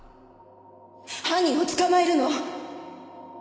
犯人を捕まえるの！